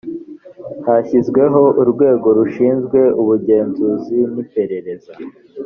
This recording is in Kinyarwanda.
hashyizweho urwego rushinzwe ubugenzuzi n iperereza